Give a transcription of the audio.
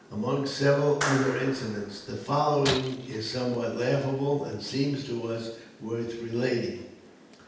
Among several other incidents the following is somewhat laughable and seems to us worth relating.